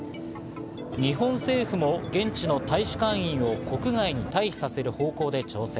日本政府も現地の大使館員を国外に退避させる方向で調整。